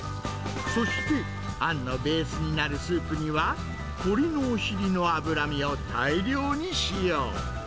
そして、あんのベースになるスープには、鶏のお尻の脂身を大量に使用。